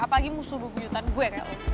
apalagi musuh berpuyutan gue